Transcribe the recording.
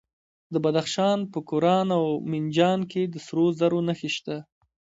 د بدخشان په کران او منجان کې د سرو زرو نښې شته.